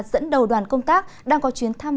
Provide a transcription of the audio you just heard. dẫn đầu đoàn công tác đang có chuyến thăm